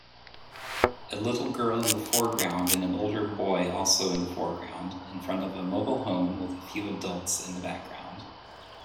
A little girl in the foreground and an older boy also in the foreground in front of a mobile home with a few adults in the background